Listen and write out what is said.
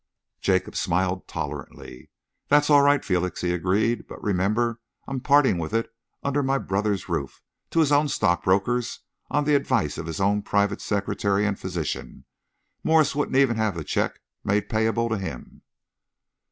Jacob smiled tolerantly. "That's all right, Felix," he agreed, "but remember I'm parting with it under my brother's roof, to his own stockbrokers, on the advice of his own private secretary and physician. Morse wouldn't even have the cheque made payable to him."